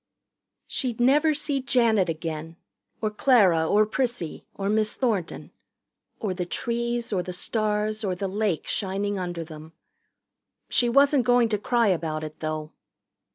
She'd never see Janet again or Clara or Prissy or Miss Thornton or the trees or the stars or the lake shining under them. She wasn't going to cry about it, though.